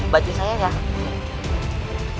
baju saya gak